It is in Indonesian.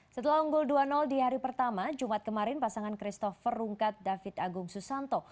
setelah unggul dua di hari pertama jumat kemarin pasangan christopher rungkat david agung susanto